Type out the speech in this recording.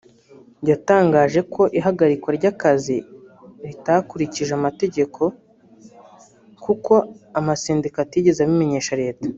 yatangaje ko ihagarikwa ry’ akazi ritakurikije amategeko kuko amasendika atigeze abimenyesha Leta